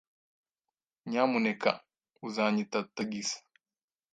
Nyamuneka uzanyita tagisi?